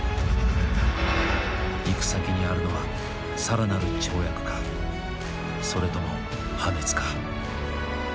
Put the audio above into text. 行く先にあるのはさらなる跳躍か、それとも破滅か。